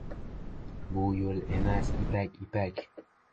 Bu yol emas, ipak, ipak!